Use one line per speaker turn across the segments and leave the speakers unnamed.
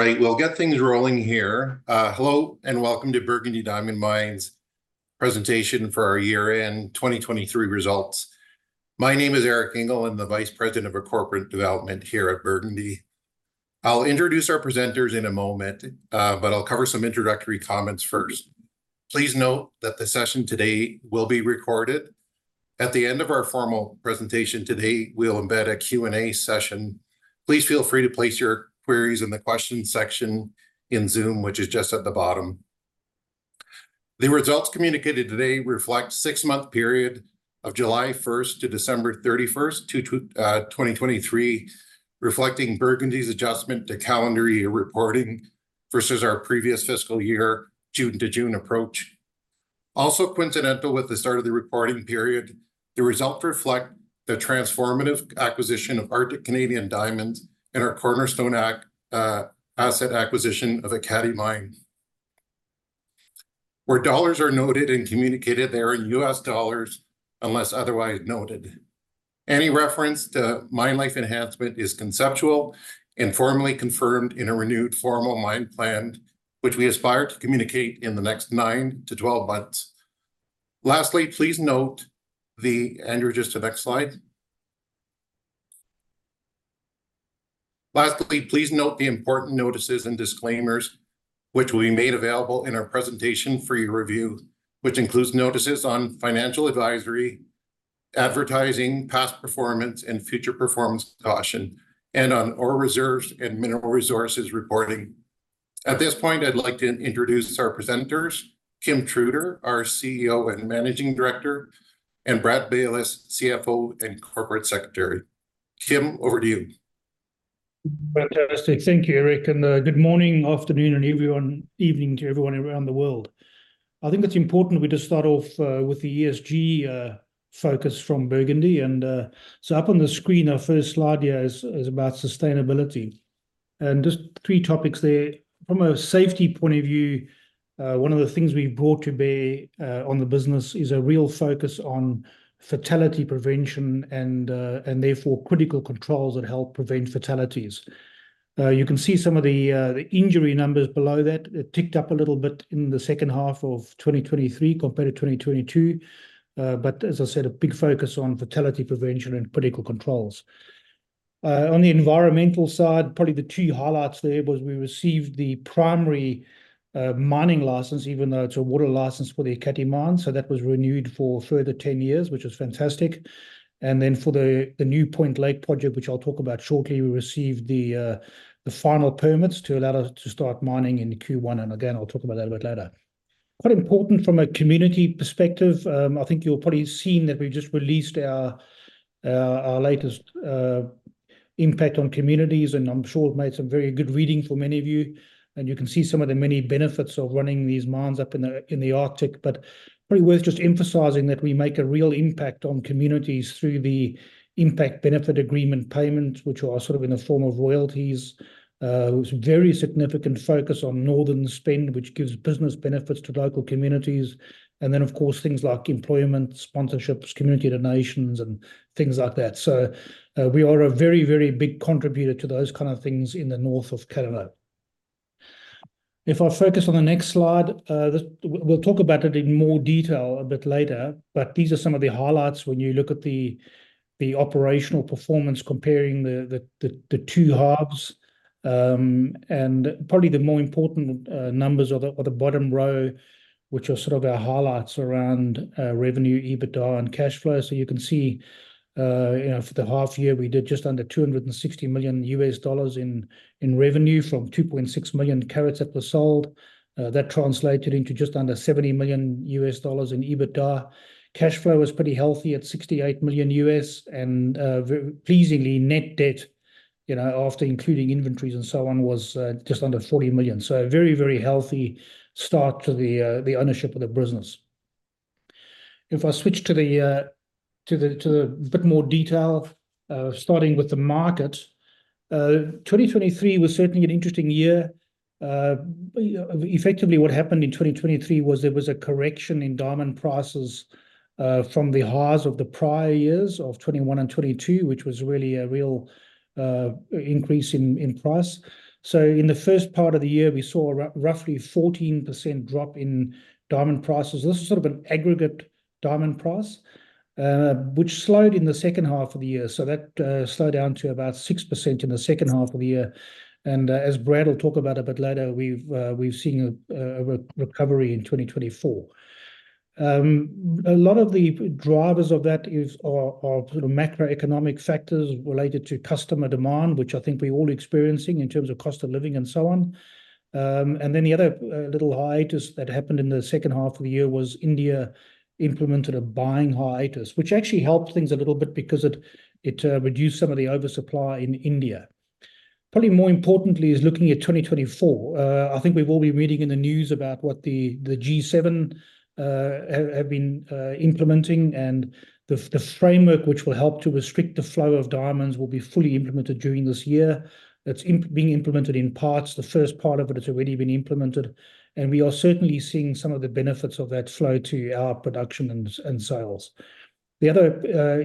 All right, we'll get things rolling here. Hello and welcome to Burgundy Diamond Mines' presentation for our year-end 2023 results. My name is Eric Ingle, and I'm the Vice President of Corporate Development here at Burgundy. I'll introduce our presenters in a moment, but I'll cover some introductory comments first. Please note that the session today will be recorded. At the end of our formal presentation today, we'll embed a Q&A session. Please feel free to place your queries in the questions section in Zoom, which is just at the bottom. The results communicated today reflect a six-month period of July 1st to December 31st, 2023, reflecting Burgundy's adjustment to calendar year reporting versus our previous fiscal year, June to June approach. Also coincidental with the start of the reporting period, the results reflect the transformative acquisition of Arctic Canadian Diamond Company and our cornerstone asset acquisition of Ekati Diamond Mine. Where dollars are noted and communicated, they are in U.S. dollars unless otherwise noted. Any reference to mine life enhancement is conceptual and formally confirmed in a renewed formal mine plan, which we aspire to communicate in the next 9-12 months. Lastly, please note the Andrew, just a next slide. Lastly, please note the important notices and disclaimers, which will be made available in our presentation for your review, which includes notices on financial advisory, advertising, past performance, and future performance caution, and on our reserves and mineral resources reporting. At this point, I'd like to introduce our presenters: Kim Truter, our CEO and Managing Director, and Brad Baylis, CFO and Corporate Secretary. Kim, over to you.
Fantastic. Thank you, Eric. Good morning, afternoon, and evening to everyone around the world. I think it's important we just start off with the ESG focus from Burgundy. So up on the screen, our first slide here is about sustainability. Just three topics there. From a safety point of view, one of the things we've brought to bear on the business is a real focus on fatality prevention and therefore critical controls that help prevent fatalities. You can see some of the injury numbers below that. It ticked up a little bit in the second half of 2023 compared to 2022, but as I said, a big focus on fatality prevention and critical controls. On the environmental side, probably the two highlights there was we received the primary mining license, even though it's a water license for the Ekati Mine, so that was renewed for further 10 years, which was fantastic. And then for the new Point Lake project, which I'll talk about shortly, we received the final permits to allow us to start mining in Q1, and again, I'll talk about that a bit later. Quite important from a community perspective. I think you've probably seen that we've just released our latest impact on communities, and I'm sure it made some very good reading for many of you. And you can see some of the many benefits of running these mines up in the Arctic, but probably worth just emphasizing that we make a real impact on communities through the Impact Benefit Agreement payments, which are sort of in the form of royalties. It was a very significant focus on northern spend, which gives business benefits to local communities, and then, of course, things like employment, sponsorships, community donations, and things like that. So, we are a very, very big contributor to those kind of things in the north of Canada. If I focus on the next slide, this, we'll talk about it in more detail a bit later, but these are some of the highlights when you look at the operational performance comparing the two halves. probably the more important numbers are the bottom row, which are sort of our highlights around revenue, EBITDA, and cash flow. So you can see, you know, for the half year, we did just under $260 million in revenue from 2.6 million carats that were sold. That translated into just under $70 million in EBITDA. Cash flow was pretty healthy at $68 million, and, very pleasingly, net debt, you know, after including inventories and so on, was just under $40 million. So a very, very healthy start to the ownership of the business. If I switch to the bit more detail, starting with the market, 2023 was certainly an interesting year. Effectively, what happened in 2023 was there was a correction in diamond prices, from the highs of the prior years of 2021 and 2022, which was really a real increase in price. So in the first part of the year, we saw a roughly 14% drop in diamond prices. This is sort of an aggregate diamond price, which slowed in the second half of the year. So that slowed down to about 6% in the second half of the year. And, as Brad will talk about a bit later, we've seen a recovery in 2024. A lot of the drivers of that are sort of macroeconomic factors related to customer demand, which I think we're all experiencing in terms of cost of living and so on. And then the other little hiatus that happened in the second half of the year was India implemented a buying hiatus, which actually helped things a little bit because it reduced some of the oversupply in India. Probably more importantly is looking at 2024. I think we've all been reading in the news about what the G7 have been implementing, and the framework which will help to restrict the flow of diamonds will be fully implemented during this year. It's being implemented in parts. The first part of it has already been implemented, and we are certainly seeing some of the benefits of that flow to our production and sales. The other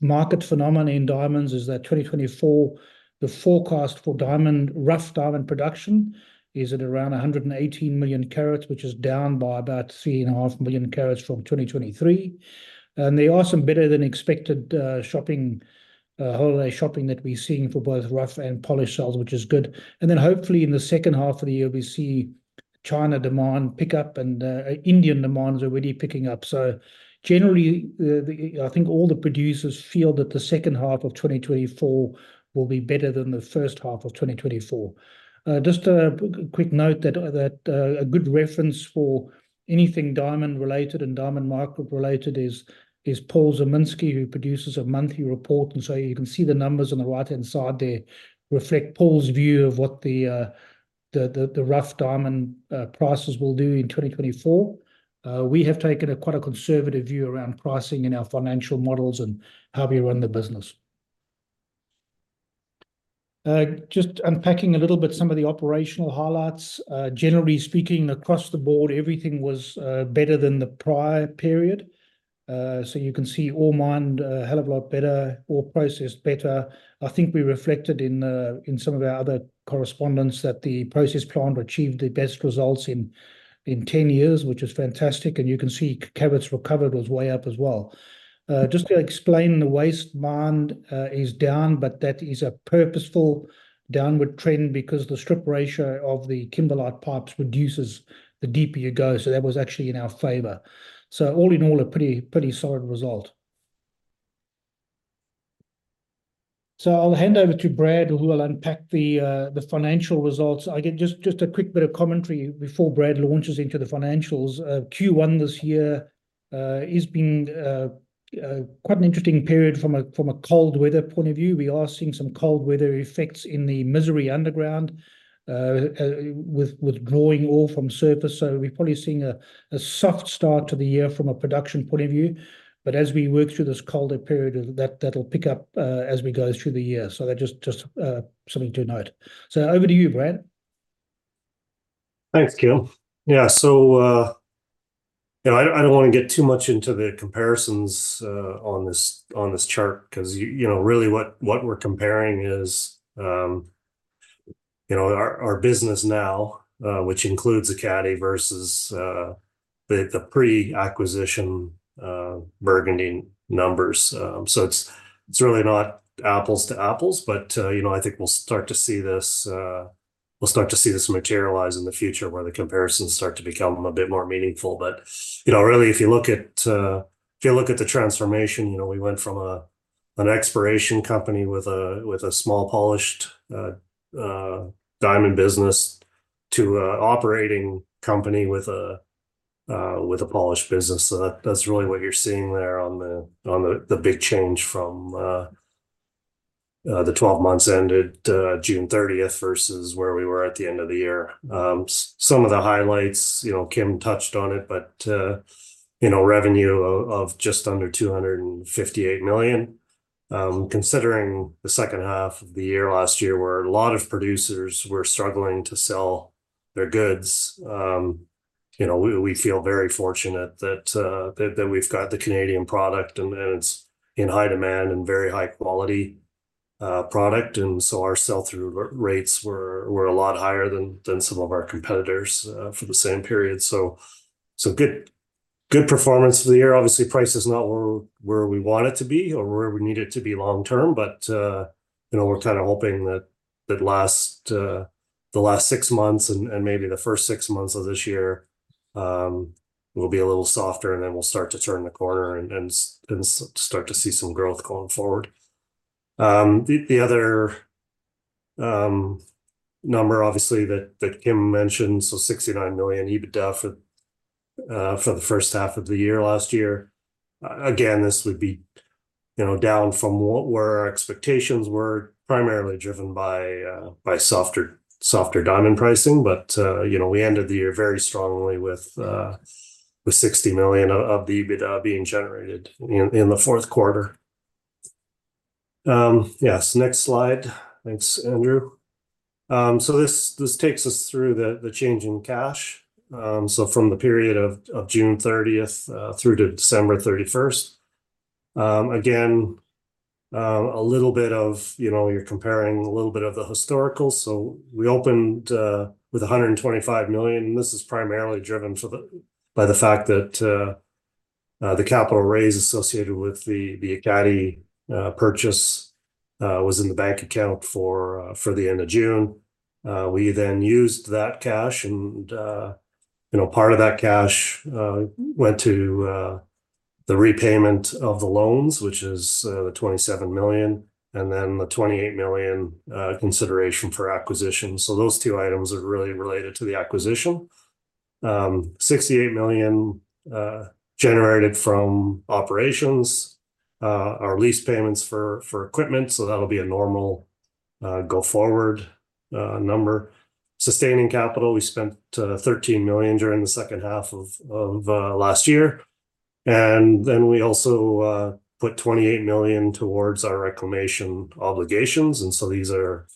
market phenomenon in diamonds is that 2024, the forecast for diamond rough diamond production is at around 118 million carats, which is down by about 3.5 million carats from 2023. And they are some better than expected holiday shopping that we're seeing for both rough and polished sales, which is good. And then hopefully in the second half of the year, we see China demand pick up and Indian demand is already picking up. So generally, the, I think all the producers feel that the second half of 2024 will be better than the first half of 2024. Just a quick note that a good reference for anything diamond related and diamond market related is Paul Zimnisky, who produces a monthly report. And so you can see the numbers on the right-hand side there reflect Paul's view of what the rough diamond prices will do in 2024. We have taken a quite conservative view around pricing in our financial models and how we run the business. Just unpacking a little bit some of the operational highlights. Generally speaking, across the board, everything was better than the prior period. So you can see ore mined a hell of a lot better, ore processed better. I think we reflected in some of our other correspondence that the process plant achieved the best results in 10 years, which is fantastic. And you can see carats recovered was way up as well. Just to explain, the waste mined is down, but that is a purposeful downward trend because the strip ratio of the kimberlite pipes reduces the deeper you go. So that was actually in our favor. So all in all, a pretty solid result. So I'll hand over to Brad, who will unpack the financial results. I get just a quick bit of commentary before Brad launches into the financials. Q1 this year has been quite an interesting period from a cold weather point of view. We are seeing some cold weather effects in the Misery underground, with withdrawing ore from surface. So we're probably seeing a soft start to the year from a production point of view. But as we work through this colder period, that'll pick up as we go through the year. So that just something to note. So over to you, Brad.
Thanks, Kim. Yeah, so you know, I don't I don't want to get too much into the comparisons on this on this chart because, you know, really what what we're comparing is, you know, our our business now, which includes Arctic versus the the pre-acquisition Burgundy numbers. So it's it's really not apples to apples, but, you know, I think we'll start to see this we'll start to see this materialize in the future where the comparisons start to become a bit more meaningful. But, you know, really, if you look at if you look at the transformation, you know, we went from a an exploration company with a with a small polished diamond business to an operating company with a with a polished business. So that's really what you're seeing there on the big change from the 12 months ended June 30th versus where we were at the end of the year. Some of the highlights, you know, Kim touched on it, but you know, revenue of just under $258 million. Considering the second half of the year last year where a lot of producers were struggling to sell their goods, you know, we feel very fortunate that we've got the Canadian product and it's in high demand and very high quality product. And so our sell-through rates were a lot higher than some of our competitors for the same period. So good performance for the year. Obviously, price is not where we want it to be or where we need it to be long term, but you know, we're kind of hoping that the last six months and maybe the first six months of this year will be a little softer, and then we'll start to turn the corner and start to see some growth going forward. The other number, obviously, that Kim mentioned, so $69 million EBITDA for the first half of the year last year. Again, this would be, you know, down from what our expectations were primarily driven by softer diamond pricing. But you know, we ended the year very strongly with $60 million of the EBITDA being generated in the fourth quarter. Yes, next slide. Thanks, Andrew. So this takes us through the change in cash. So from the period of June 30th through to December 31st. Again, a little bit of, you know, you're comparing a little bit of the historical. So we opened with $125 million, and this is primarily driven by the fact that the capital raise associated with the Ekati purchase was in the bank account for the end of June. We then used that cash, and you know, part of that cash went to the repayment of the loans, which is the $27 million, and then the $28 million consideration for acquisition. So those two items are really related to the acquisition. $68 million generated from operations, our lease payments for equipment. So that'll be a normal go forward number. Sustaining capital, we spent $13 million during the second half of last year. And then we also put $28 million towards our reclamation obligations. And so these are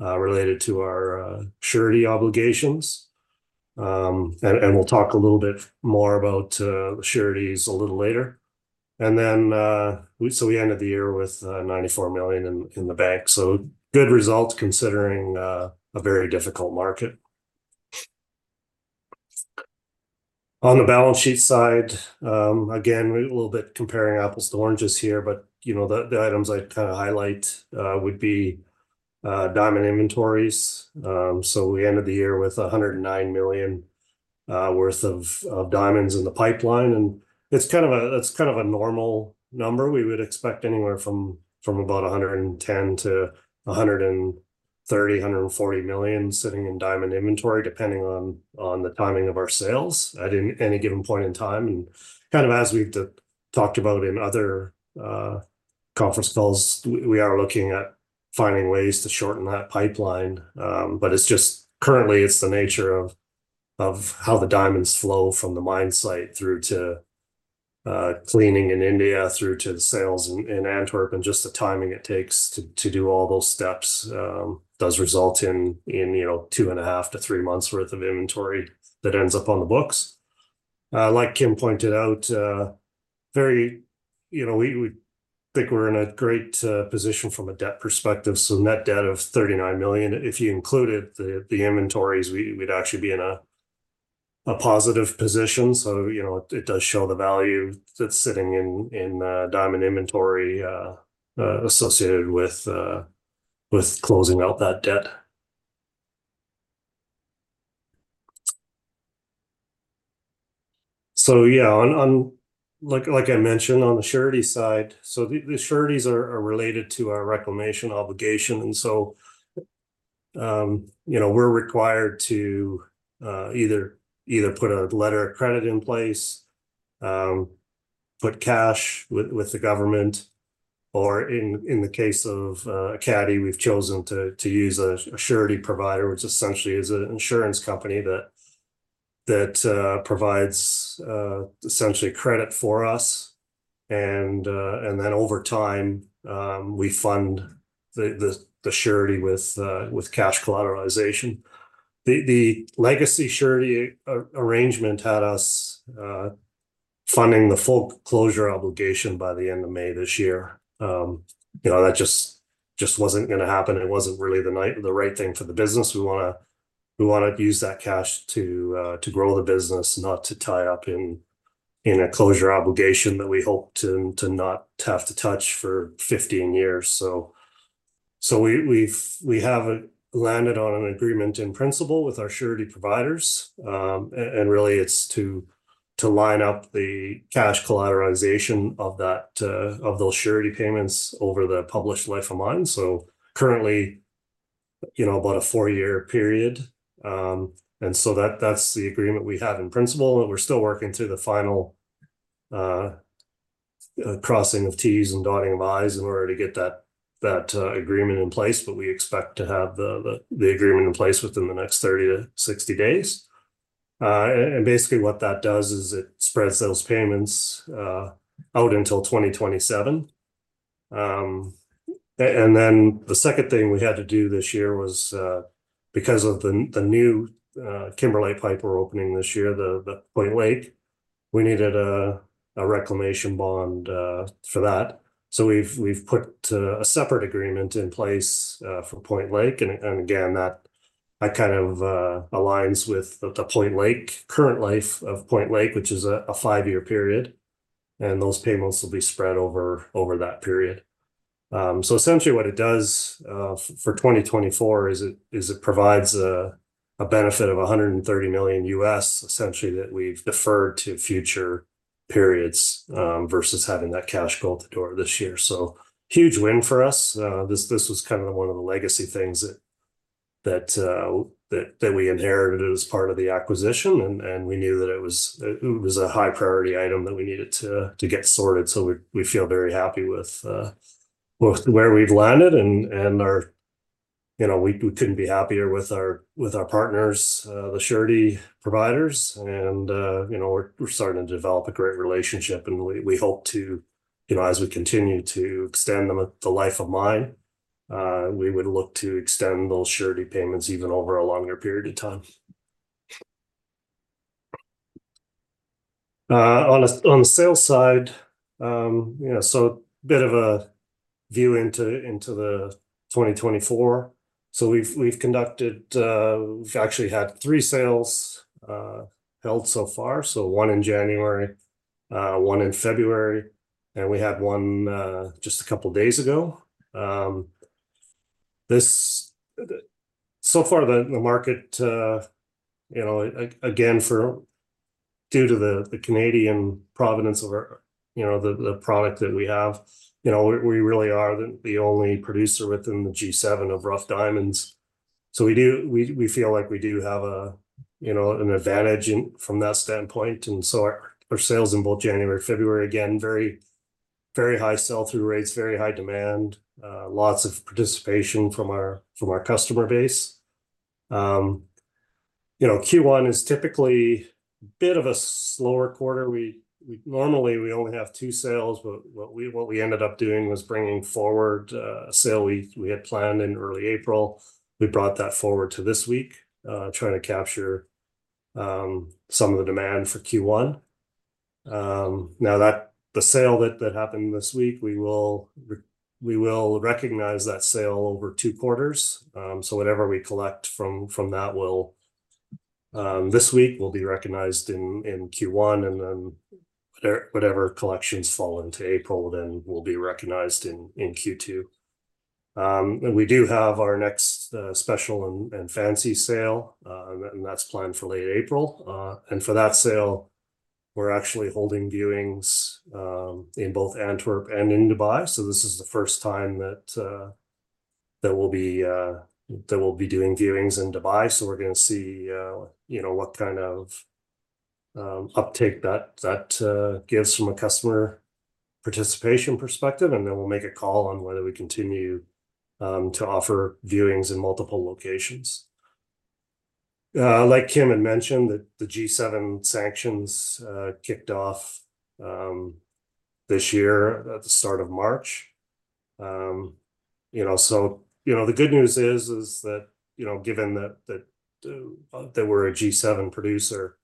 related to our surety obligations. And we'll talk a little bit more about the sureties a little later. And then we ended the year with $94 million in the bank. So good results considering a very difficult market. On the balance sheet side, again, a little bit comparing apples to oranges here, but, you know, the items I kind of highlight would be diamond inventories. So we ended the year with $109 million worth of diamonds in the pipeline. And it's kind of a normal number. That's kind of a normal number. We would expect anywhere from about $110 million-$140 million sitting in diamond inventory, depending on the timing of our sales at any given point in time. kind of as we've talked about in other conference calls, we are looking at finding ways to shorten that pipeline. But it's just currently, it's the nature of how the diamonds flow from the mine site through to cleaning in India, through to the sales in Antwerp, and just the timing it takes to do all those steps does result in, you know, 2.5-3 months' worth of inventory that ends up on the books. Like Kim pointed out, very you know, we think we're in a great position from a debt perspective. So net debt of $39 million, if you included the inventories, we'd actually be in a positive position. So, you know, it does show the value that's sitting in diamond inventory associated with closing out that debt. So yeah, on, like I mentioned, on the surety side, so the sureties are related to our reclamation obligation. And so, you know, we're required to either put a letter of credit in place, put cash with the government, or in the case of Ekati, we've chosen to use a surety provider, which essentially is an insurance company that provides essentially credit for us. And then over time, we fund the surety with cash collateralization. The legacy surety arrangement had us funding the full closure obligation by the end of May this year. You know, that just wasn't going to happen. It wasn't really the right thing for the business. We want to use that cash to grow the business, not to tie up in a closure obligation that we hope to not have to touch for 15 years. So we have landed on an agreement in principle with our surety providers. And really, it's to line up the cash collateralization of those surety payments over the published life of mine. So currently, you know, about a four-year period. And so that's the agreement we have in principle. And we're still working through the final crossing of T's and dotting of I's in order to get that agreement in place. But we expect to have the agreement in place within the next 30-60 days. And basically, what that does is it spreads those payments out until 2027. And then the second thing we had to do this year was because of the new kimberlite pipe we're opening this year, the Point Lake, we needed a reclamation bond for that. So we've put a separate agreement in place for Point Lake. And again, that kind of aligns with the Point Lake current life of Point Lake, which is a five-year period. And those payments will be spread over that period. So essentially, what it does for 2024 is it provides a benefit of $130 million, essentially, that we've deferred to future periods versus having that cash go out the door this year. So huge win for us. This was kind of one of the legacy things that we inherited as part of the acquisition. And we knew that it was a high-priority item that we needed to get sorted. So we feel very happy with where we've landed and, you know, we couldn't be happier with our partners, the surety providers. And you know, we're starting to develop a great relationship. And we hope to, you know, as we continue to extend them at the life of mine, we would look to extend those surety payments even over a longer period of time. On the sales side, you know, so a bit of a view into the 2024. So we've actually had three sales held so far. So one in January, one in February, and we had one just a couple of days ago. So far, the market, you know, again, due to the Canadian provenance of our, you know, the product that we have, you know, we really are the only producer within the G7 of rough diamonds. So we feel like we have a, you know, an advantage from that standpoint. And so our sales in both January and February, again, very, very high sell-through rates, very high demand, lots of participation from our customer base. You know, Q1 is typically a bit of a slower quarter. We normally only have two sales, but what we ended up doing was bringing forward a sale we had planned in early April. We brought that forward to this week, trying to capture some of the demand for Q1. Now that the sale that happened this week, we will recognize that sale over two quarters. So whatever we collect from that this week will be recognized in Q1, and then whatever collections fall into April, then will be recognized in Q2. And we do have our next special and fancy sale, and that's planned for late April. And for that sale, we're actually holding viewings in both Antwerp and in Dubai. So this is the first time that we'll be doing viewings in Dubai. So we're going to see, you know, what kind of uptake that gives from a customer participation perspective. And then we'll make a call on whether we continue to offer viewings in multiple locations. Like Kim had mentioned, that the G7 sanctions kicked off this year at the start of March. You know, so, you know, the good news is that, you know, given that we're a G7 producer,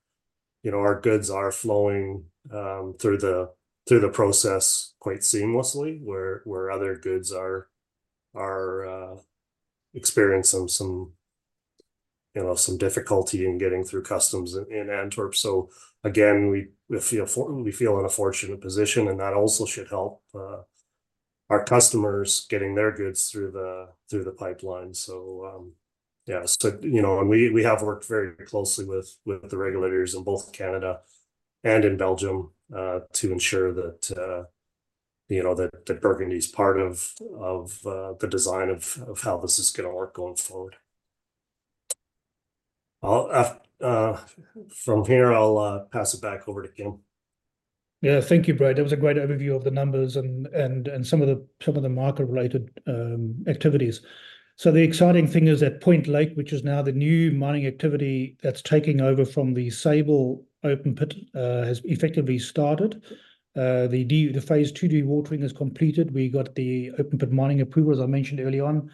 you know, our goods are flowing through the process quite seamlessly, where other goods are experiencing some, you know, some difficulty in getting through customs in Antwerp. So again, we feel in a fortunate position, and that also should help our customers getting their goods through the pipeline. So yeah, so, you know, and we have worked very closely with the regulators in both Canada and in Belgium to ensure that, you know, that Burgundy is part of the design of how this is going to work going forward. From here, I'll pass it back over to Kim.
Yeah, thank you, Brad. That was a great overview of the numbers and some of the market-related activities. So the exciting thing is that Point Lake, which is now the new mining activity that's taking over from the Sable open pit, has effectively started. The phase two dewatering is completed. We got the open pit mining approval, as I mentioned earlier on,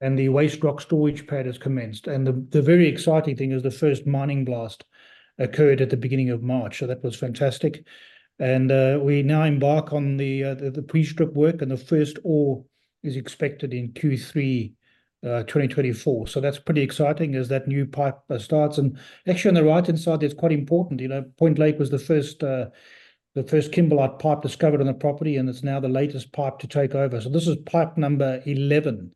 and the waste rock storage pad has commenced. And the very exciting thing is the first mining blast occurred at the beginning of March. So that was fantastic. And we now embark on the pre-strip work, and the first ore is expected in Q3 2024. So that's pretty exciting as that new pipe starts. And actually, on the right-hand side, that's quite important. You know, Point Lake was the first kimberlite pipe discovered on the property, and it's now the latest pipe to take over. So this is pipe number 11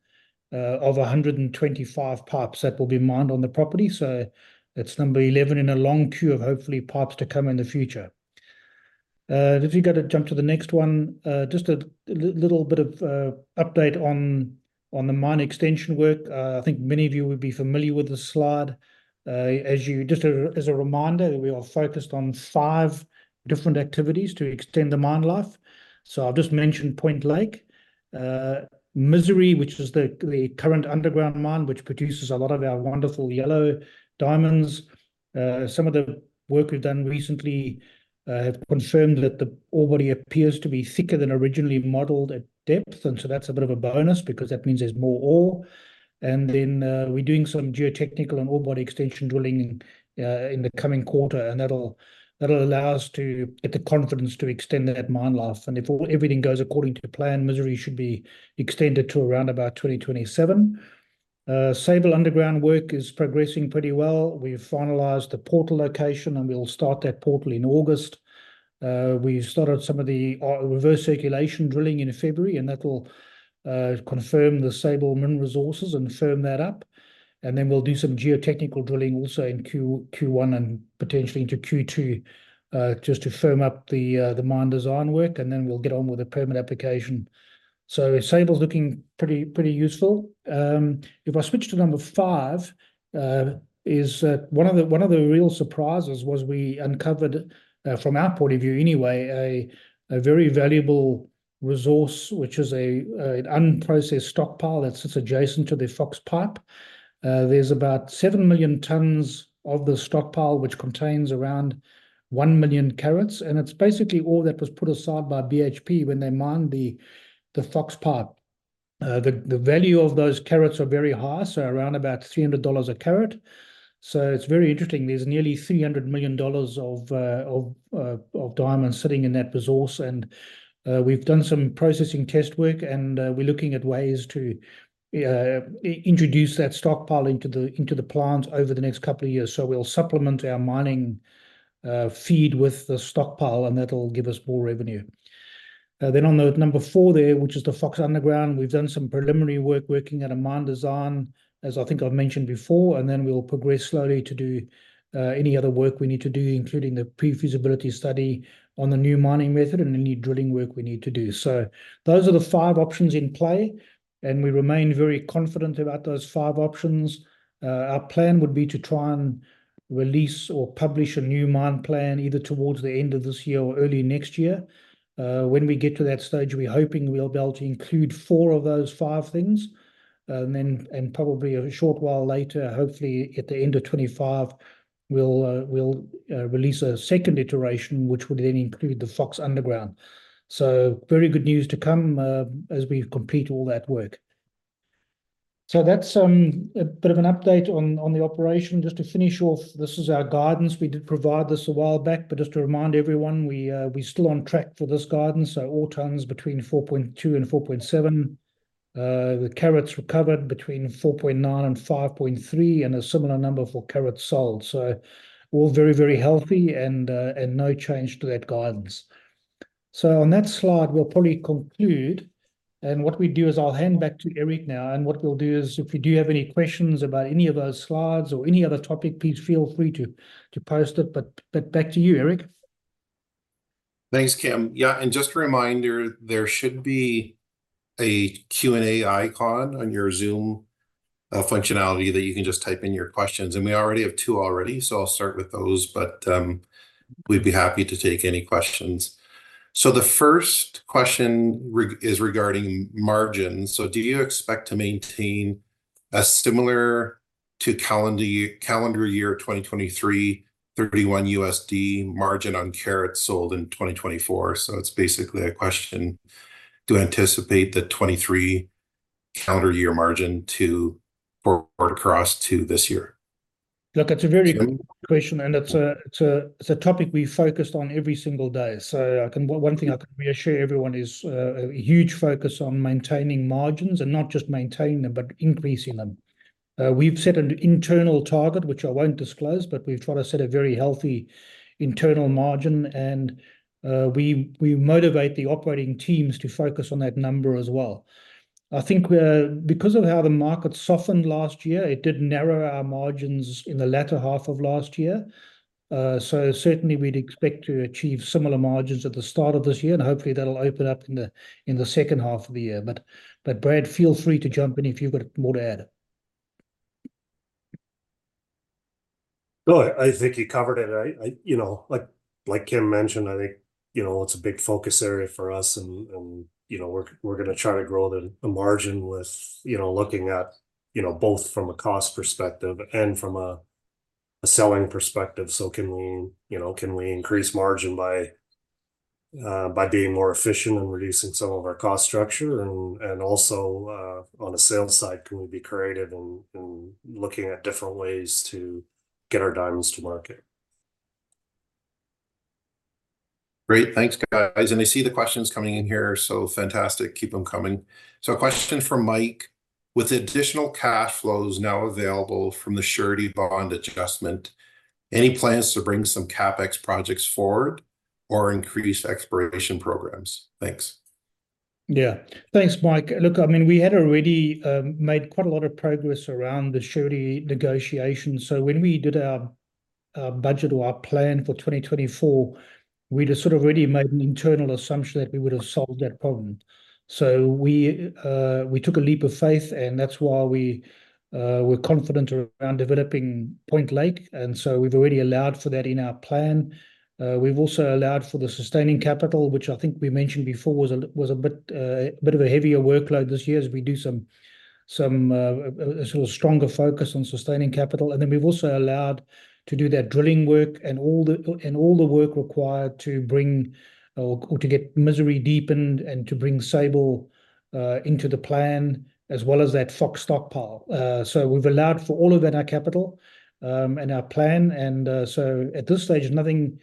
of 125 pipes that will be mined on the property. So it's number 11 in a long queue of hopefully pipes to come in the future. If you got to jump to the next one, just a little bit of update on the mine extension work. I think many of you would be familiar with this slide. As a reminder, we are focused on 5 different activities to extend the mine life. So I've just mentioned Point Lake, Misery, which is the current underground mine, which produces a lot of our wonderful yellow diamonds. Some of the work we've done recently have confirmed that the ore body appears to be thicker than originally modeled at depth. And so that's a bit of a bonus because that means there's more ore. And then we're doing some geotechnical and ore body extension drilling in the coming quarter, and that'll allow us to get the confidence to extend that mine life. And if all everything goes according to plan, Misery should be extended to around about 2027. Sable underground work is progressing pretty well. We've finalized the portal location, and we'll start that portal in August. We've started some of the reverse circulation drilling in February, and that'll confirm the Sable mine resources and firm that up. And then we'll do some geotechnical drilling also in Q1 and potentially into Q2 just to firm up the mine design work, and then we'll get on with the permit application. So Sable's looking pretty useful. If I switch to number five, that is one of the real surprises was we uncovered from our point of view anyway, a very valuable resource, which is an unprocessed stockpile that sits adjacent to the Fox Pipe. There's about 7 million tons of the stockpile, which contains around 1 million carats. And it's basically all that was put aside by BHP when they mined the Fox Pipe. The value of those carats are very high, so around about $300 a carat. So it's very interesting. There's nearly $300 million of diamonds sitting in that resource. We've done some processing test work, and we're looking at ways to introduce that stockpile into the plants over the next couple of years. So we'll supplement our mining feed with the stockpile, and that'll give us more revenue. Then on the number four there, which is the Fox underground, we've done some preliminary work working at a mine design, as I think I've mentioned before. And then we'll progress slowly to do any other work we need to do, including the pre-feasibility study on the new mining method and any drilling work we need to do. So those are the five options in play, and we remain very confident about those 5 options. Our plan would be to try and release or publish a new mine plan either towards the end of this year or early next year. When we get to that stage, we're hoping we'll be able to include four of those five things. And then probably a short while later, hopefully at the end of 2025, we'll release a second iteration, which would then include the Fox underground. So very good news to come as we complete all that work. So that's a bit of an update on the operation. Just to finish off, this is our guidance. We did provide this a while back, but just to remind everyone, we're still on track for this guidance. So ore tons between 4.2 and 4.7, the carats recovered between 4.9 and 5.3, and a similar number for carats sold. So all very, very healthy and no change to that guidance. So on that slide, we'll probably conclude. And what we do is I'll hand back to Eric now. And what we'll do is if we do have any questions about any of those slides or any other topic, please feel free to post it. But back to you, Eric.
Thanks, Kim. Yeah, and just a reminder, there should be a Q&A icon on your Zoom functionality that you can just type in your questions. And we already have two, so I'll start with those, but we'd be happy to take any questions. So the first question is regarding margins. So do you expect to maintain a similar to calendar year 2023, $31 margin on carats sold in 2024? So it's basically a question, do you anticipate the 2023 calendar year margin to port across to this year?
Look, that's a very good question, and that's a topic we focus on every single day. So one thing I can reassure everyone is a huge focus on maintaining margins and not just maintaining them, but increasing them. We've set an internal target, which I won't disclose, but we've tried to set a very healthy internal margin. We motivate the operating teams to focus on that number as well. I think, because of how the market softened last year, it did narrow our margins in the latter half of last year. So certainly, we'd expect to achieve similar margins at the start of this year, and hopefully, that'll open up in the second half of the year. But Brad, feel free to jump in if you've got more to add.
No, I think you covered it. I, you know, like Kim mentioned, I think, you know, it's a big focus area for us. You know, we're going to try to grow the margin with, you know, looking at, you know, both from a cost perspective and from a selling perspective. So can we, you know, increase margin by being more efficient and reducing some of our cost structure? And also on the sales side, can we be creative in looking at different ways to get our diamonds to market?
Great. Thanks, guys. And I see the questions coming in here. So fantastic. Keep them coming. So a question from Mike. With additional cash flows now available from the surety bond adjustment, any plans to bring some CapEx projects forward or increase exploration programs? Thanks.
Yeah, thanks, Mike. Look, I mean, we had already made quite a lot of progress around the surety negotiations. So when we did our budget or our plan for 2024, we'd have sort of already made an internal assumption that we would have solved that problem. So we took a leap of faith, and that's why we were confident around developing Point Lake. And so we've already allowed for that in our plan. We've also allowed for the sustaining capital, which I think we mentioned before was a bit of a heavier workload this year as we do some sort of stronger focus on sustaining capital. And then we've also allowed to do that drilling work and all the work required to bring or to get Misery deepened and to bring Sable into the plan as well as that Fox stockpile. So we've allowed for all of that, our capital and our plan. And so at this stage, nothing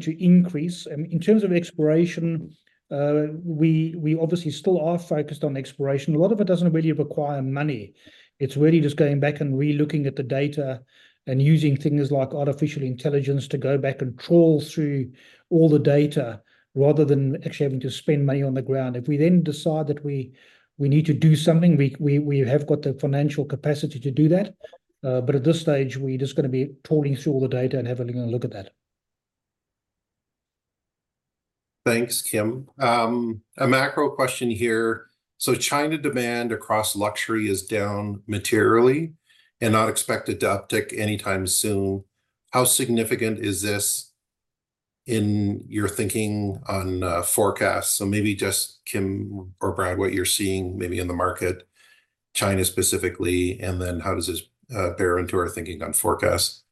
to increase. And in terms of exploration, we obviously still are focused on exploration. A lot of it doesn't really require money. It's really just going back and relooking at the data and using things like artificial intelligence to go back and trawl through all the data rather than actually having to spend money on the ground. If we then decide that we need to do something, we have got the financial capacity to do that. But at this stage, we're just going to be trawling through all the data and having a look at that.
Thanks, Kim. A macro question here. So China demand across luxury is down materially and not expected to uptick anytime soon. How significant is this in your thinking on forecasts? So maybe just Kim or Brad, what you're seeing maybe in the market, China specifically, and then how does this bear into our thinking on forecasts?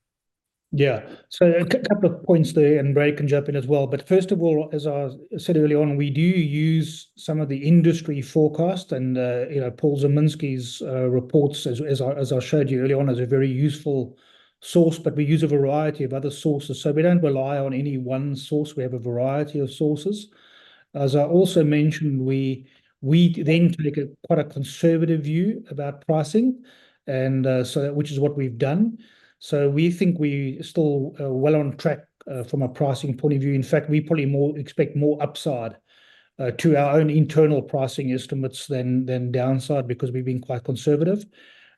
Yeah, so a couple of points there and Brad can jump in as well. But first of all, as I said earlier on, we do use some of the industry forecasts and you know, Paul Zimnisky's reports, as I showed you earlier on, as a very useful source. But we use a variety of other sources, so we don't rely on any one source. We have a variety of sources. As I also mentioned, we then take a quite a conservative view about pricing, and so that which is what we've done. So we think we're still well on track from a pricing point of view. In fact, we probably expect more upside to our own internal pricing estimates than downside because we've been quite conservative.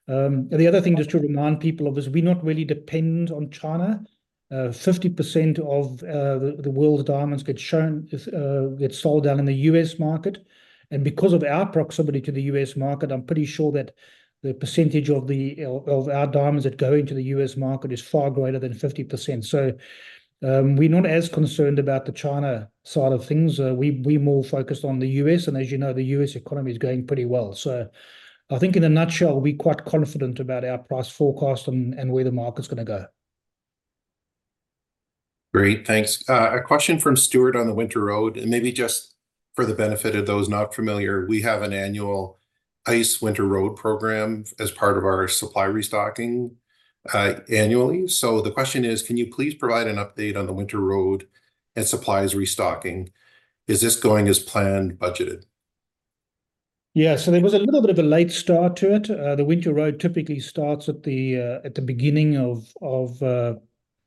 The other thing just to remind people of is we do not really depend on China. 50% of the world's diamonds get sold down in the U.S. market. And because of our proximity to the U.S. market, I'm pretty sure that the percentage of our diamonds that go into the U.S. market is far greater than 50%. So we're not as concerned about the China side of things. We're more focused on the U.S., and as you know, the U.S. economy is going pretty well. So I think in a nutshell, we're quite confident about our price forecast and where the market's going to go.
Great. Thanks. A question from Stuart on the Winter Road. And maybe just for the benefit of those not familiar, we have an annual ice Winter Road program as part of our supply restocking annually. So the question is, can you please provide an update on the Winter Road and supplies restocking? Is this going as planned budgeted?
Yeah, so there was a little bit of a late start to it. The Winter Road typically starts at the beginning of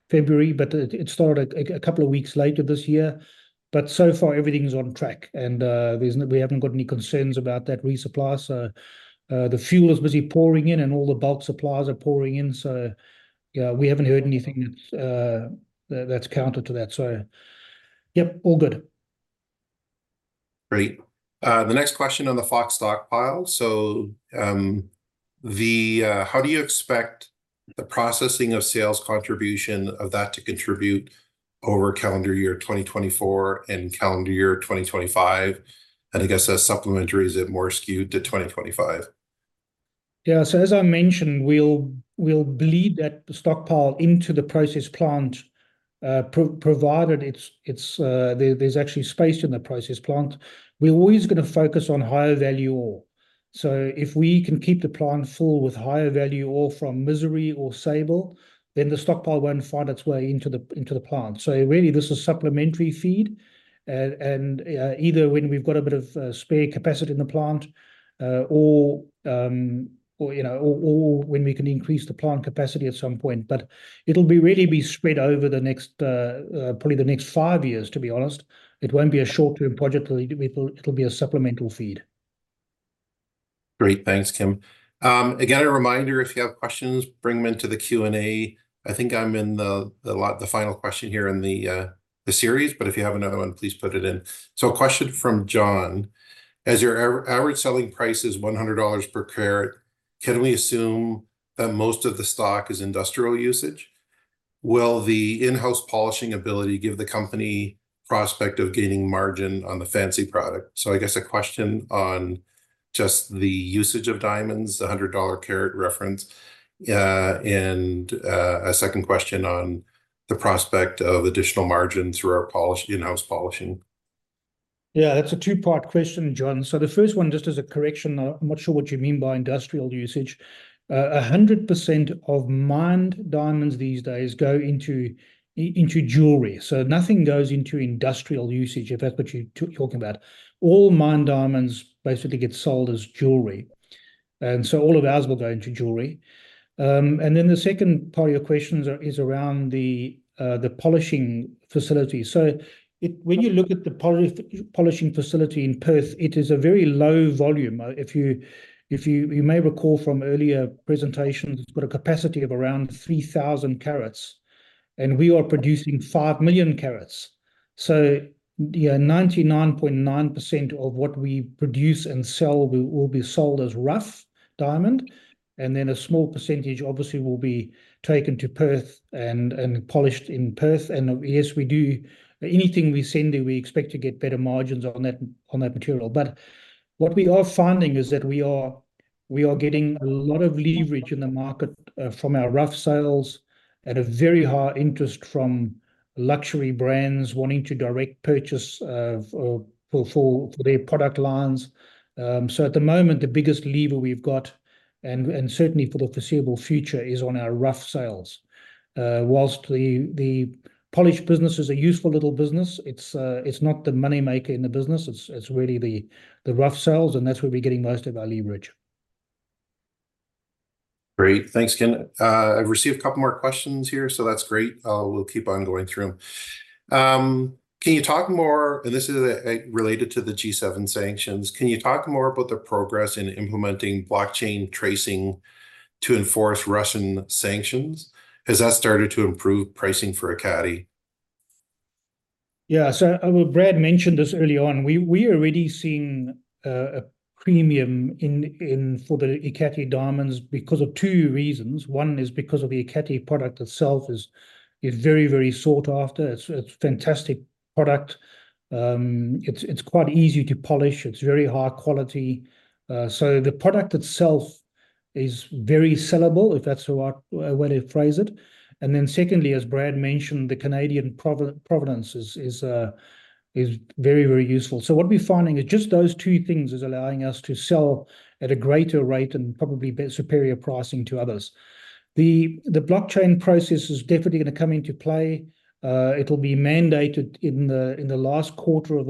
February, but it started a couple of weeks later this year. But so far, everything's on track, and we haven't got any concerns about that resupply. So the fuel is busy pouring in, and all the bulk supplies are pouring in. So yeah, we haven't heard anything that's counter to that. So yep, all good.
Great. The next question on the Fox stockpile. So, how do you expect the processing of sales contribution of that to contribute over calendar year 2024 and calendar year 2025? And I guess a supplementary: is it more skewed to 2025?
Yeah, so as I mentioned, we'll bleed that stockpile into the process plant provided there's actually space in the process plant. We're always going to focus on higher value ore. So if we can keep the plant full with higher value ore from Misery or Sable, then the stockpile won't find its way into the plant. So really, this is supplementary feed. And either when we've got a bit of spare capacity in the plant or, you know, or when we can increase the plant capacity at some point. But it'll really be spread over the next probably the next five years, to be honest. It won't be a short-term project. It'll be a supplemental feed.
Great. Thanks, Kim. Again, a reminder, if you have questions, bring them into the Q&A. I think I'm at the final question here in the series, but if you have another one, please put it in. So a question from John. As your average selling price is $100 per carat, can we assume that most of the stock is industrial usage? Will the in-house polishing ability give the company prospect of gaining margin on the fancy product? So I guess a question on just the usage of diamonds, the $100 carat reference, and a second question on the prospect of additional margin through our in-house polishing.
Yeah, that's a two-part question, John. So the first one, just as a correction, I'm not sure what you mean by industrial usage. 100% of mined diamonds these days go into jewelry. So nothing goes into industrial usage, if that's what you're talking about. All mined diamonds basically get sold as jewelry. And so all of ours will go into jewelry. And then the second part of your question is around the polishing facility. So when you look at the polishing facility in Perth, it is a very low volume. If you may recall from earlier presentations, it's got a capacity of around 3,000 carats, and we are producing 5 million carats. So yeah, 99.9% of what we produce and sell will be sold as rough diamond, and then a small percentage obviously will be taken to Perth and polished in Perth. And yes, we do anything we send there; we expect to get better margins on that material. But what we are finding is that we are getting a lot of leverage in the market from our rough sales and a very high interest from luxury brands wanting to direct purchase for their product lines. So at the moment, the biggest lever we've got, and certainly for the foreseeable future, is on our rough sales. While the polished businesses are useful little business, it's not the moneymaker in the business. It's really the rough sales, and that's where we're getting most of our leverage.
Great. Thanks, Kim. I've received a couple more questions here, so that's great. I'll keep on going through them. Can you talk more, and this is related to the G7 sanctions. Can you talk more about the progress in implementing blockchain tracing to enforce Russian sanctions? Has that started to improve pricing for Ekati?
Yeah, so as Brad mentioned this early on. We are already seeing a premium in for the Ekati diamonds because of two reasons. One is because of the Ekati product itself is very, very sought after. It's a fantastic product. It's quite easy to polish. It's very high quality. So the product itself is very sellable, if that's the right way to phrase it. And then secondly, as Brad mentioned, the Canadian provenance is very, very useful. So what we're finding is just those two things is allowing us to sell at a greater rate and probably superior pricing to others. The blockchain process is definitely going to come into play. It'll be mandated in the last quarter of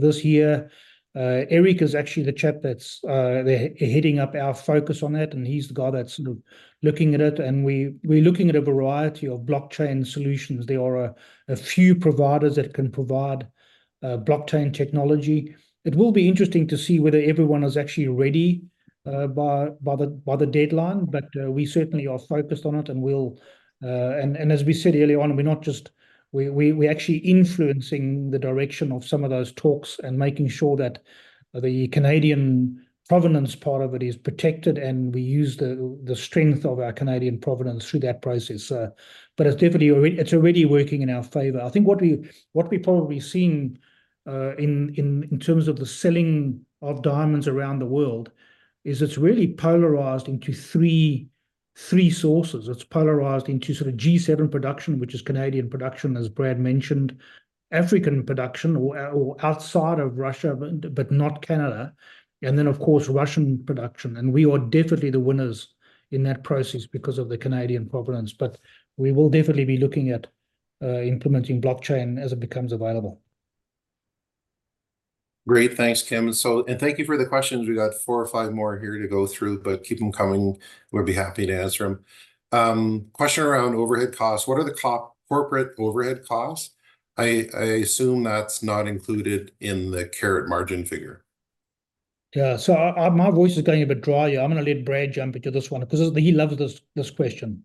this year. Eric is actually the chap that's heading up our focus on that, and he's the guy that's sort of looking at it. And we're looking at a variety of blockchain solutions. There are a few providers that can provide blockchain technology. It will be interesting to see whether everyone is actually ready by the deadline, but we certainly are focused on it, and as we said earlier on, we're not just we're actually influencing the direction of some of those talks and making sure that the Canadian provenance part of it is protected, and we use the strength of our Canadian provenance through that process. But it's definitely already working in our favor. I think what we're probably seeing in terms of the selling of diamonds around the world is it's really polarized into three sources. It's polarized into sort of G7 production, which is Canadian production, as Brad mentioned. African production or outside of Russia, but not Canada, and then, of course, Russian production. And we are definitely the winners in that process because of the Canadian provenance. But we will definitely be looking at implementing blockchain as it becomes available.
Great. Thanks, Kim. And thank you for the questions. We got four or five more here to go through, but keep them coming. We'll be happy to answer them. Question around overhead costs. What are the corporate overhead costs? I assume that's not included in the carat margin figure.
Yeah, so my voice is going a bit dry here. I'm going to let Brad jump into this one because he loves this question.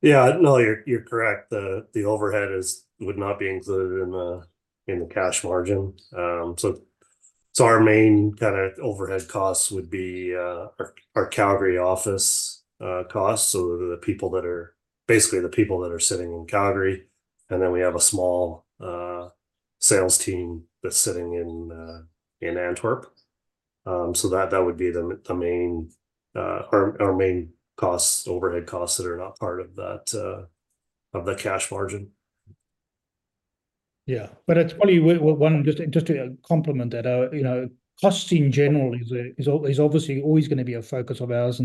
Yeah, no, you're correct. The overhead would not be included in the cash margin. So our main kind of overhead costs would be our Calgary office costs, so the people that are basically sitting in Calgary. And then we have a small sales team that's sitting in Antwerp. So that would be the main overhead costs that are not part of that cash margin.
Yeah, but it's funny, just a compliment that our, you know, costs in general is obviously always going to be a focus of ours.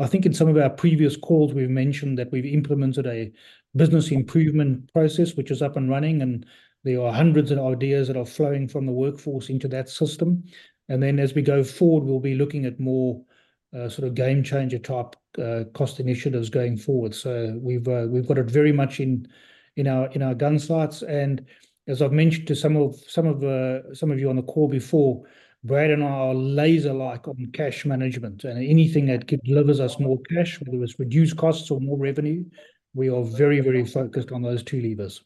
I think in some of our previous calls, we've mentioned that we've implemented a business improvement process, which is up and running, and there are hundreds of ideas that are flowing from the workforce into that system. As we go forward, we'll be looking at more sort of game-changer type cost initiatives going forward. So we've got it very much in our gun sights. And as I've mentioned to some of you on the call before, Brad and I are laser-like on cash management. And anything that delivers us more cash, whether it's reduced costs or more revenue, we are very, very focused on those two levers.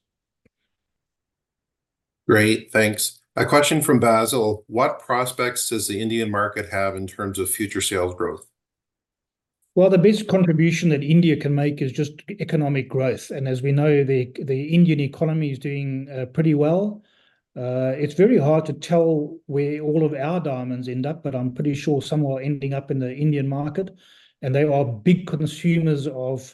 Great. Thanks. A question from Basil. What prospects does the Indian market have in terms of future sales growth?
Well, the best contribution that India can make is just economic growth. As we know, the Indian economy is doing pretty well. It's very hard to tell where all of our diamonds end up, but I'm pretty sure some are ending up in the Indian market, and they are big consumers of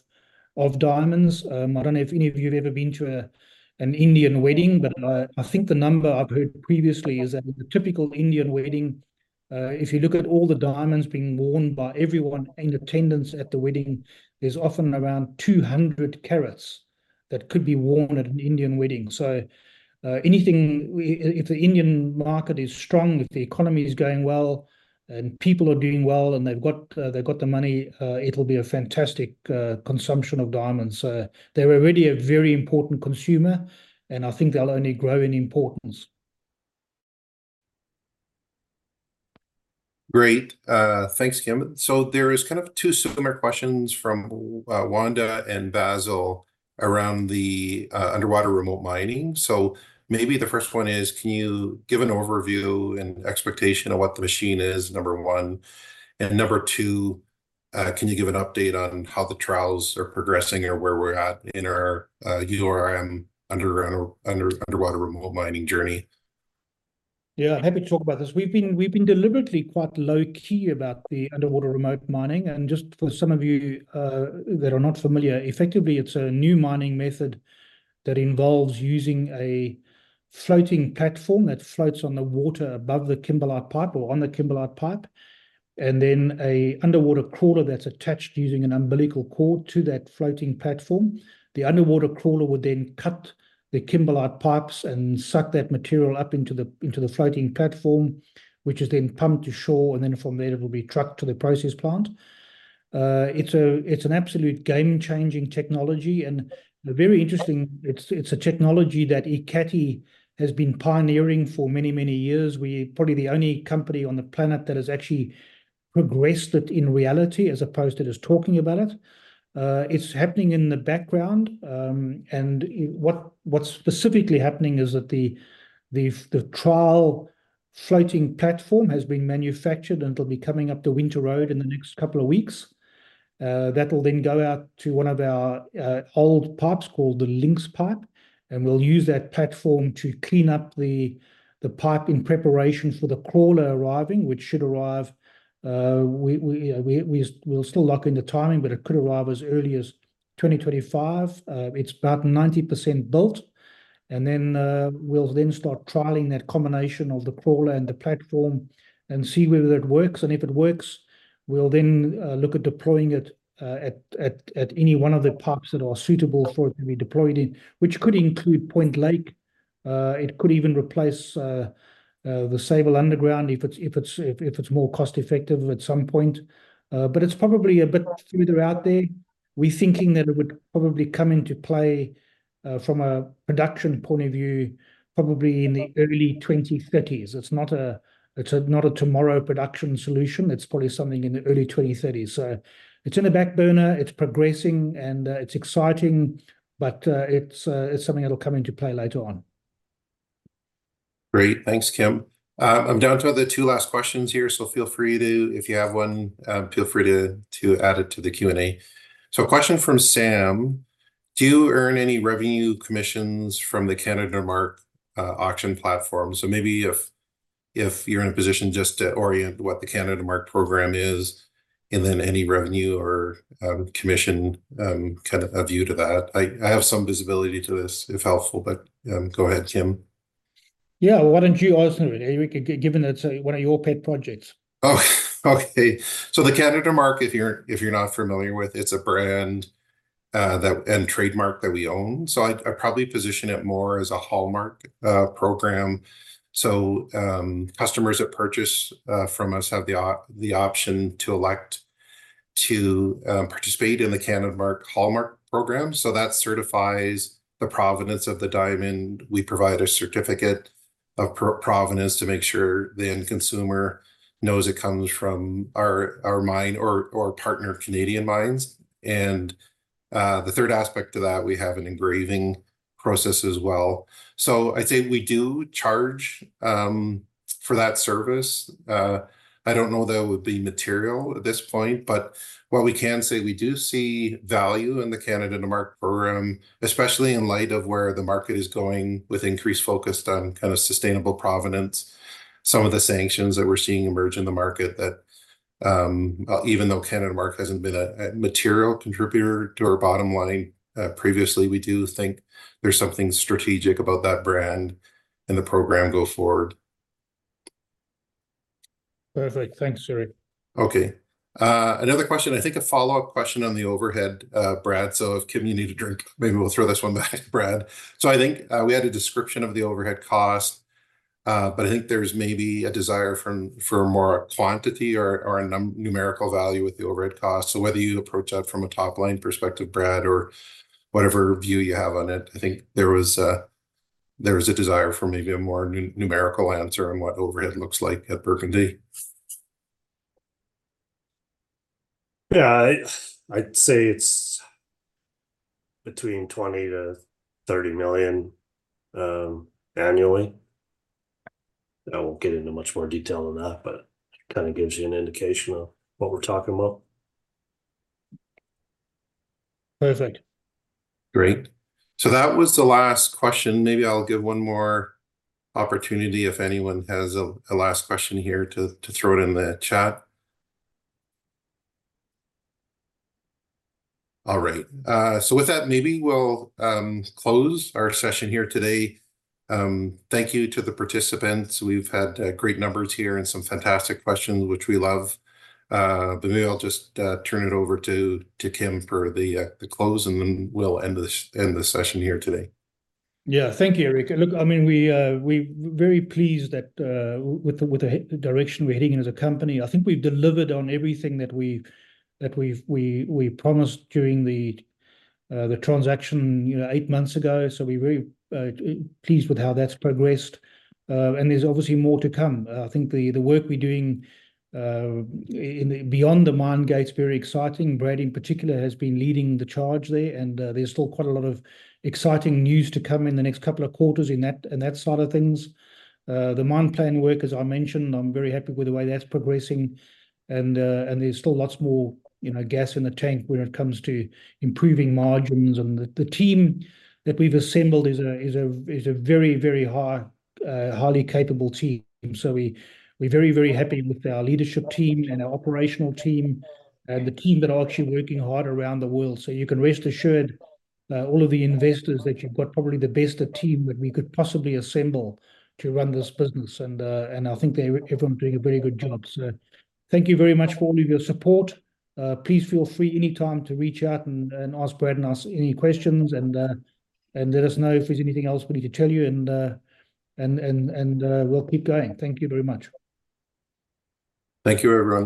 diamonds. I don't know if any of you have ever been to an Indian wedding, but I think the number I've heard previously is that in a typical Indian wedding, if you look at all the diamonds being worn by everyone in attendance at the wedding, there's often around 200 carats that could be worn at an Indian wedding. So, anything if the Indian market is strong, if the economy is going well, and people are doing well, and they've got the money, it'll be a fantastic consumption of diamonds. So they're already a very important consumer, and I think they'll only grow in importance.
Great. Thanks, Kim. So there are kind of two similar questions from Wanda and Basil around the underwater remote mining. So maybe the first one is, can you give an overview and expectation of what the machine is, number one? And number two, can you give an update on how the trials are progressing or where we're at in our URM underground or under underwater remote mining journey?
Yeah, I'm happy to talk about this. We've been deliberately quite low-key about the underwater remote mining. Just for some of you that are not familiar, effectively, it's a new mining method that involves using a floating platform that floats on the water above the kimberlite pipe or on the kimberlite pipe, and then an underwater crawler that's attached using an umbilical cord to that floating platform. The underwater crawler would then cut the kimberlite pipes and suck that material up into the floating platform, which is then pumped to shore, and then from there, it will be trucked to the process plant. It's an absolute game-changing technology. And it's a very interesting technology that Ekati has been pioneering for many, many years. We're probably the only company on the planet that has actually progressed it in reality as opposed to just talking about it. It's happening in the background. What's specifically happening is that the trial floating platform has been manufactured, and it'll be coming up the Winter Road in the next couple of weeks. That'll then go out to one of our old pipes called the Lynx Pipe, and we'll use that platform to clean up the pipe in preparation for the crawler arriving, which should arrive. We'll still lock in the timing, but it could arrive as early as 2025. It's about 90% built. Then we'll start trialing that combination of the crawler and the platform and see whether that works. And if it works, we'll then look at deploying it at any one of the pipes that are suitable for it to be deployed in, which could include Point Lake. It could even replace the Sable Underground if it's if it's if it's more cost-effective at some point. But it's probably a bit further out there. We're thinking that it would probably come into play from a production point of view, probably in the early 2030s. It's not a it's not a tomorrow production solution. It's probably something in the early 2030s. So it's in the back burner. It's progressing, and it's exciting, but it's something that'll come into play later on.
Great. Thanks, Kim. I'm down to the two last questions here, so feel free to if you have one, feel free to to add it to the Q&A. So a question from Sam. Do you earn any revenue commissions from the CanadaMark auction platform? So maybe if you're in a position just to orient what the CanadaMark program is and then any revenue or commission kind of a view to that. I have some visibility to this, if helpful, but go ahead, Kim.
Yeah, why don't you also, Eric? Given that it's one of your pet projects.
Oh, okay. So the CanadaMark, if you're not familiar with, it's a brand and trademark that we own. So I probably position it more as a hallmark program. So customers that purchase from us have the option to elect to participate in the CanadaMark hallmark program. So that certifies the provenance of the diamond. We provide a certificate of provenance to make sure the end consumer knows it comes from our mine or partner Canadian mines. And the third aspect to that, we have an engraving process as well. So I'd say we do charge for that service. I don't know that it would be material at this point, but what we can say, we do see value in the CanadaMark program, especially in light of where the market is going with increased focus on kind of sustainable provenance, some of the sanctions that we're seeing emerge in the market that even though CanadaMark hasn't been a material contributor to our bottom line previously, we do think there's something strategic about that brand and the program go forward.
Perfect. Thanks, Eric.
Okay. Another question. I think a follow-up question on the overhead, Brad. So if Kim, you need a drink, maybe we'll throw this one back to Brad. So I think we had a description of the overhead cost, but I think there's maybe a desire for more quantity or a numerical value with the overhead cost. So whether you approach that from a top-line perspective, Brad, or whatever view you have on it, I think there was a desire for maybe a more numerical answer on what overhead looks like at Burgundy.
Yeah, I'd say it's between $20 million-$30 million annually. I won't get into much more detail than that, but it kind of gives you an indication of what we're talking about.
Perfect.
Great. So that was the last question. Maybe I'll give one more opportunity if anyone has a last question here to throw it in the chat. All right. So with that, maybe we'll close our session here today. Thank you to the participants. We've had great numbers here and some fantastic questions, which we love. But maybe I'll just turn it over to Kim for the close, and then we'll end the session here today.
Yeah, thank you, Eric. Look, I mean, we're very pleased with the direction we're heading in as a company. I think we've delivered on everything that we promised during the transaction eight months ago. So we're very pleased with how that's progressed. And there's obviously more to come. I think the work we're doing beyond the mine gate is very exciting. Brad, in particular, has been leading the charge there, and there's still quite a lot of exciting news to come in the next couple of quarters in that side of things. The mine plan work, as I mentioned, I'm very happy with the way that's progressing. There's still lots more, you know, gas in the tank when it comes to improving margins. The team that we've assembled is a very, very highly capable team. We're very, very happy with our leadership team and our operational team and the team that are actually working hard around the world. You can rest assured, all of the investors that you've got probably the best team that we could possibly assemble to run this business. I think they're everyone's doing a very good job. Thank you very much for all of your support. Please feel free anytime to reach out and ask Brad and us any questions and let us know if there's anything else we need to tell you. We'll keep going. Thank you very much.
Thank you, everyone.